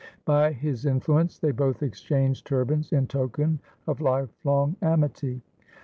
By his influence they both exchanged turbans in token of life long amity.